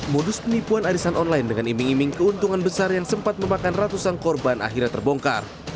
modus penipuan arisan online dengan iming iming keuntungan besar yang sempat memakan ratusan korban akhirnya terbongkar